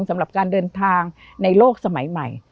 สำหรับการเดินทางในโลกสมัยใหม่